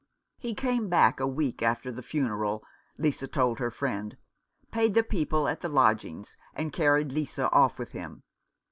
He came back a week after the funeral, Lisa told her friend, paid the people at the lodgings, and carried Lisa off with him.